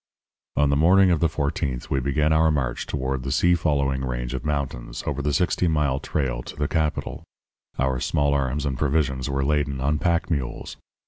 "On the morning of the 14th we began our march toward the sea following range of mountains, over the sixty mile trail to the capital. Our small arms and provisions were laden on pack mules.